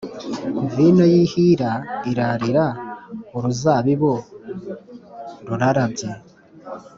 Vino y ihira irarira uruzabibu rurarabye